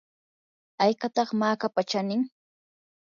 ¿haykataq makapa chanin?